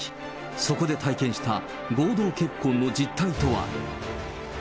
そこで体験した合同結婚の実態とは。